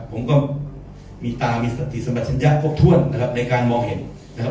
ผมก็มีตามีสติสมัชญะครบถ้วนนะครับในการมองเห็นนะครับ